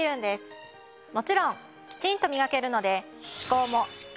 もちろんきちんとみがけるので。